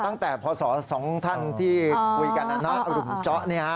ตั้งแต่พอสอสองท่านที่คุยกันนะนะอรุมเจ้าเนี่ยฮะ